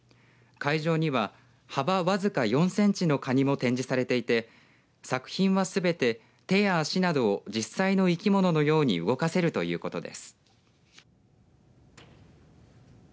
会場には幅わずか４センチのかにも展示されていて作品は、すべて手や足などを実際の生き物のように動かせるということです。